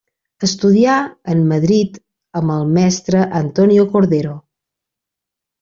Estudià en Madrid amb el mestre Antonio Cordero.